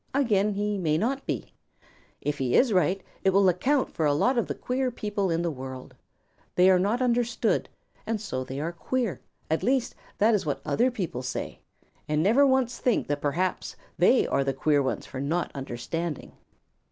Again he may not be. If he is right, it will account for a lot of the queer people in the world. They are not understood, and so they are queer. At least, that is what other people say, and never once think that perhaps they are the queer ones for not understanding.